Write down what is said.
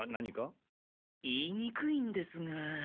言いにくいんですが。